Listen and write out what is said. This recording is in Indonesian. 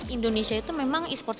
indonesia itu memang esports